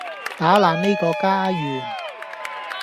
打爛呢個家園